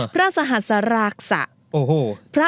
พระสหัสรากษะ